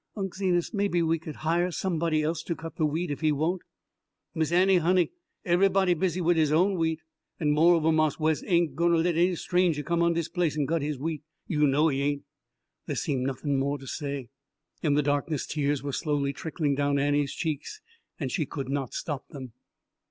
"Unc' Zenas, maybe we could hire somebody else to cut the wheat if he won't." "Miss Annie, honey, eve'ybody busy wid his own wheat an', moreover, Marse Wes ain' gwi' let any stranger come on dis place an' cut his wheat you know he ain'." There seemed nothing more to say. In the darkness tears were slowly trickling down Annie's cheeks, and she could not stop them.